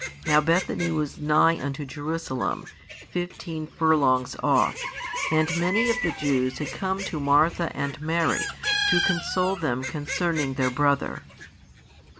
Now Bethany was nigh unto Jerusalem, fifteen furlongs off; and many of the Jews had come to Martha and Mary, to console them concerning their brother.